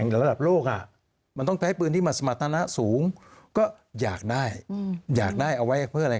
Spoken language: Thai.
ระดับโลกมันต้องใช้ปืนที่มาสมรรถนะสูงก็อยากได้อยากได้เอาไว้เพื่ออะไร